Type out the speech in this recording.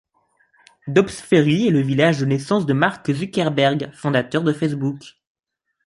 Dobbs Ferry est le village de naissance de Mark Zuckerberg, fondateur de Facebook.